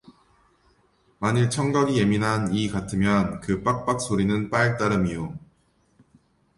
만일 청각이 예민한 이 같으면 그 빡빡 소리는 빨 따름이요